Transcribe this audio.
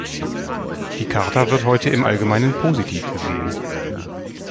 Die Charta wird heute im Allgemeinen positiv gesehen.